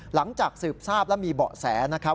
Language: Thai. หลังจากสืบทราบและมีเบาะแสนะครับ